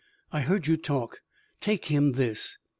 "I heard you talk. Take him this."